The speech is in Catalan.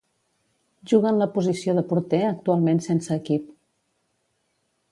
Juga en la posició de porter actualment sense equip.